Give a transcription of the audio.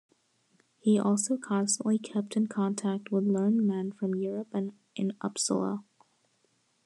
He also constantly kept in contact with learned men from Europe and in Uppsala.